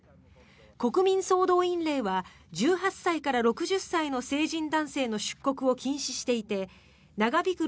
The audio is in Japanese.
国民総動員令は１８歳から６０歳の成人男性の出国を禁止していて長引く